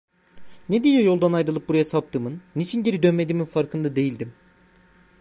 Ne diye yoldan ayrılıp buraya saptığımın, niçin geri dönmediğimin farkında değildim.